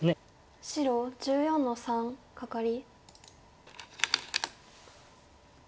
白１４の三カカリ。